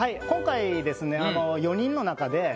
今回ですね４人の中で。